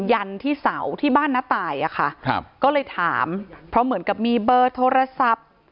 ยันที่เสาที่บ้านน้าตายอะค่ะครับก็เลยถามเพราะเหมือนกับมีเบอร์โทรศัพท์